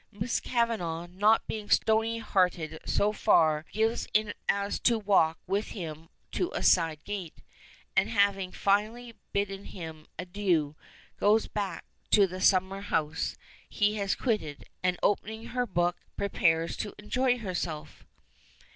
Miss Kavanagh not being stony hearted so far gives in as to walk with him to a side gate, and having finally bidden him adieu, goes back to the summer house he has quitted, and, opening her book, prepares to enjoy herself.